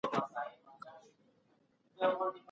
زده کوونکي څنګه د ستونزي اصلي لامل پېژني؟